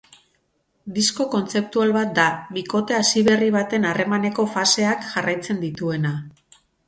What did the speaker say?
Disko kontzeptual bat da, bikote hasi berri baten harremaneko faseak jarraitzen dituena.